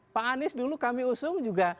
pak anies dulu kami usung juga